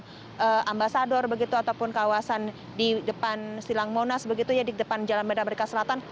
di kawasan ambasador begitu ataupun kawasan di depan silang monas begitu ya di depan jalan medan merdeka selatan